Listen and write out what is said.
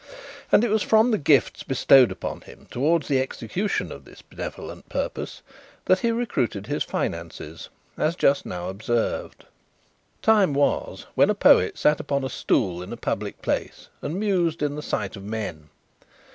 And it was from the gifts bestowed upon him towards the execution of this benevolent purpose, that he recruited his finances, as just now observed. Time was, when a poet sat upon a stool in a public place, and mused in the sight of men.